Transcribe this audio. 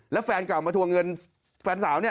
แล้วแฟนเก่ามาทวงเงินแฟนสาวเนี่ย